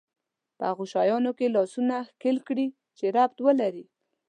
په هغو شيانو کې لاسونه ښکېل کړي چې ربط ولري.